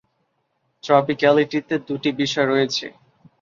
ট্রপিক্যালিটি-তে দুটি বিষয় রয়েছে।